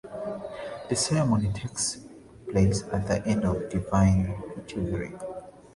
The ceremony takes place at the end of the Divine Liturgy.